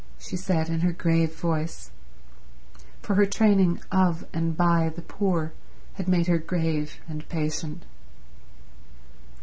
she said in her grave voice, for her training of and by the poor had made her grave and patient.